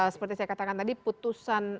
seperti saya katakan tadi putusan